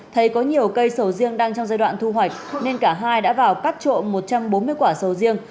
thấy có nhiều cây sầu riêng đang trong giai đoạn thu hoạch nên cả hai đã vào cắt trộm một trăm bốn mươi quả sầu riêng